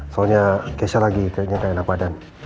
soalnya geser lagi kayaknya gak enak badan